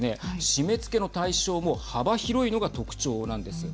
締めつけの対象も幅広いのが特徴なんです。